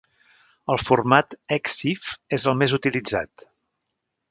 El format Exif és el més utilitzat.